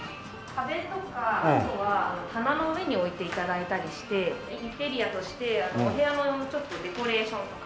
壁とかあとは棚の上に置いて頂いたりしてインテリアとしてお部屋のちょっとデコレーションとか。